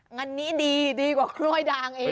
งานนี้ดีดีกว่ากล้วยด่างเอง